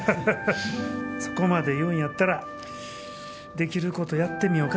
そこまで言うんやったらできることやってみよか。